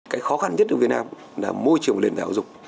cái khó khăn nhất của người việt nam là môi trường liên tạc hữu dục